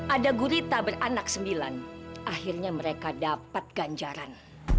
ada gurita beranak sembilan akhirnya mereka dapat ganjaran